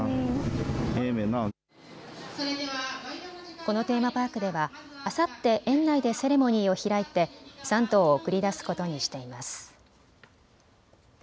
このテーマパークではあさって園内でセレモニーを開いて３頭を送り出すことにしています。